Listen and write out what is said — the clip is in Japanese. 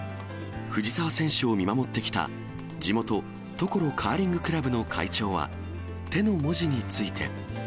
藤澤選手を見守ってきた地元、常呂カーリングクラブの会長は、手の文字について。